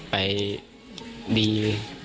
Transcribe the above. ไปดี